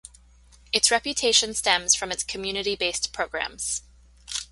Its reputation stems from its community-based programs.